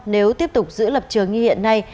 nếu tiếp tục giữ lập trường như hiện nay